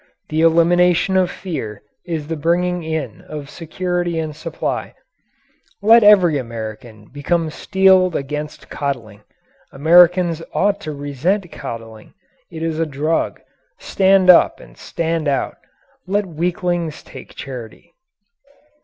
The elimination of fear is the bringing in of security and supply. Let every American become steeled against coddling. Americans ought to resent coddling. It is a drug. Stand up and stand out; let weaklings take charity.